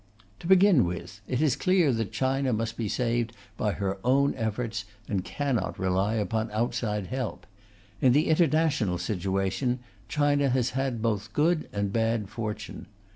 To begin with, it is clear that China must be saved by her own efforts, and cannot rely upon outside help. In the international situation, China has had both good and bad fortune.